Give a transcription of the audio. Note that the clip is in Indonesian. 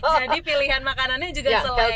jadi pilihan makanannya juga selektif